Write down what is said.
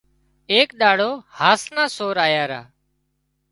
ايڪ ۮاڙو هاس نا سور آيا را